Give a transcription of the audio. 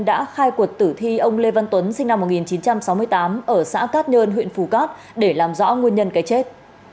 đã khai quật tử thi ông lê văn tuấn sinh năm một nghìn chín trăm sáu mươi tám ở xã cát nhơn huyện phù cát để làm rõ nguyên nhân cái chết